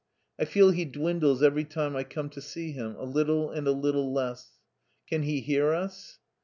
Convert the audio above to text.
" I feel he dwindles every time I come to see him — a little and a little less. Can he hear us